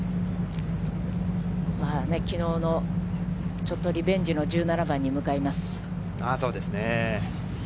きのうの、ちょっとリベンジの１７番に向かいます。